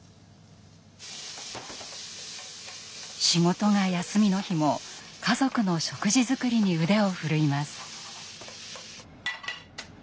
仕事が休みの日も家族の食事作りに腕を振るいます。